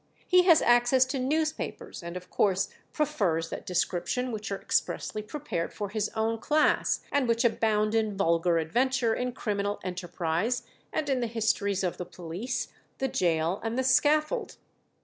He has access to newspapers, and of course prefers that description which are expressly prepared for his own class, and which abound in vulgar adventure in criminal enterprise, and in the histories of the police, the gaol, and the scaffold.